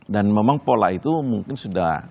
dan memang pola itu mungkin sudah menurut saya